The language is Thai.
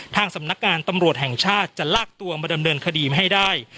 ทางสำนักงานตำรวจแห่งชาติจะลากตัวมาดำเนินคดีให้ได้